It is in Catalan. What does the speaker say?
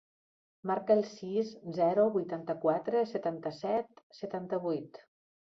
Marca el sis, zero, vuitanta-quatre, setanta-set, setanta-vuit.